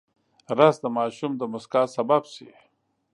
رس د ماشوم د موسکا سبب شي